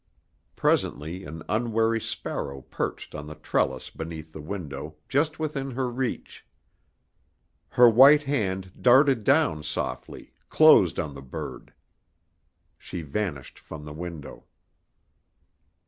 Presently an unwary sparrow perched on the trellis beneath the window just within her reach. Her white hand darted down softly, closed on the bird. She vanished from the window.